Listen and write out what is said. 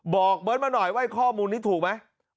เบิร์ตมาหน่อยว่าข้อมูลนี้ถูกไหม